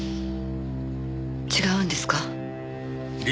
違うんですか？